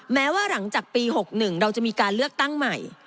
แม้ว่าหลังจากปี๖๑เราจะมีการเลือกตั้งใหม่